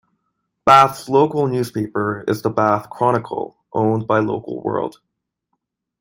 Bath's local newspaper is the "Bath Chronicle", owned by Local World.